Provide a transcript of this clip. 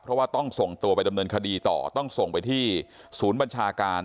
เพราะว่าต้องส่งตัวไปดำเนินคดีต่อต้องส่งไปที่ศูนย์บัญชาการ